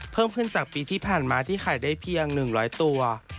เพิ่มขึ้นจากปีที่ผ่านมาที่ขายได้เพียง๑๐๐ตัว